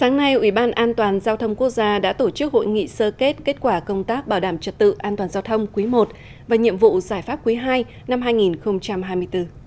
sáng nay ủy ban an toàn giao thông quốc gia đã tổ chức hội nghị sơ kết kết quả công tác bảo đảm trật tự an toàn giao thông quý i và nhiệm vụ giải pháp quý ii năm hai nghìn hai mươi bốn